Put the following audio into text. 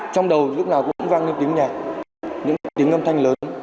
trong đầu lúc nào cũng vang những tiếng nhạc những tiếng âm thanh lớn